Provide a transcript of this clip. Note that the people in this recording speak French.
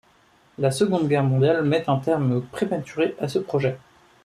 La Seconde Guerre mondiale met un terme prématuré à ce projet.